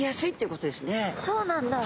そうなんだ。